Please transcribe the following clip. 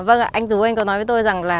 vâng ạ anh tứ anh có nói với tôi rằng là